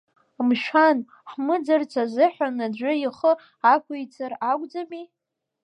Мшәан, ҳмыӡырц азыҳәан аӡәы ихы ақәиҵар акәӡами?